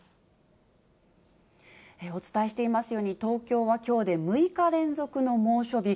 お伝えしていますように、東京はきょうで６日連続の猛暑日。